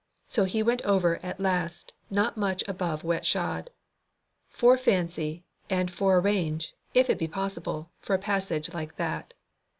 So he went over at last not much above wet shod. Fore fancy and fore arrange, if it be possible, for a passage like that.